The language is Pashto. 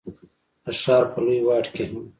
د ښار په لوی واټ کي هم،